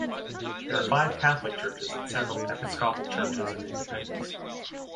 There are five Catholic churches and several Episcopal churches in Independence.